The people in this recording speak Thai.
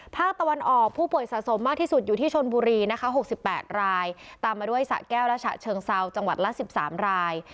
ภาคตะวันออกผู้ป่วยสะสมมากที่สุดอยู่ที่ชนบุรีนะคะ๖๘รายตามมาด้วยสะแก้วและฉะเชิงเซาจังหวัดละ๑๓ราย